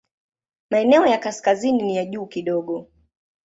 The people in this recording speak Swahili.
Maeneo ya kaskazini ni ya juu kidogo.